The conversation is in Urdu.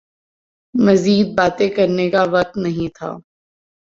مزید باتیں کرنے کا وقت نہیں تھا